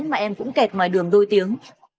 mà em cũng kẹt ngoài đường đôi tiếng